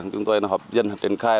chúng tôi hợp dân triển khai